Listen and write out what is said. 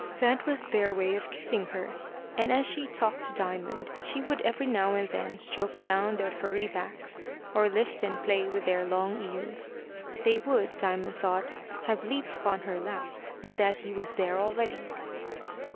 That was their way of kissing her; and, as she talked to Diamond, she would every now and then stroke down their furry backs, or lift and play with their long ears. They would, Diamond thought, have leaped upon her lap, but that he was there already.